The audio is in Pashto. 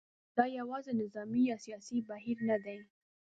دا یوازې نظامي یا سیاسي بهیر نه دی.